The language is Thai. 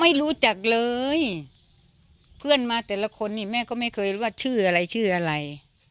ไม่รู้จักเลยเพื่อนมาแต่ละคนนี่แม่ก็ไม่เคยรู้ว่าชื่ออะไรชื่ออะไร